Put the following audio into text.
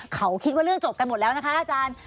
เขาคิดว่าเรื่องจบกันหมดแล้วนะคะอาจารย์